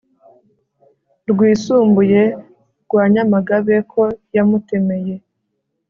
rwisumbuye rwa nyamagabe ko yamutemeye